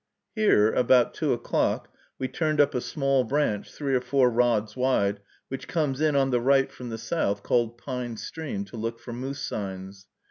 Here, about two o'clock, we turned up a small branch three or four rods wide, which comes in on the right from the south, called Pine Stream, to look for moose signs.